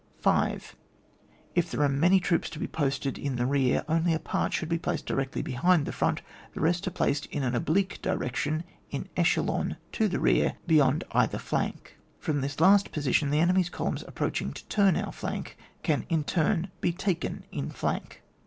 5. If there are many troops to be posted in the rear, only a part should be placed directly behind the front, the rest are placed in an oblique direction (in echelon) to the rear, beyond either flank. From this last position, the enemy's columns approaching to turn our flank, can in turn be taken in flank.